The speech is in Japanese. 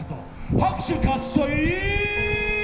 拍手喝采！